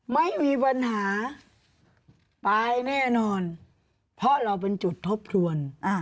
ไม่มีปัญหาตายแน่นอนเพราะเราเป็นจุดทบทวน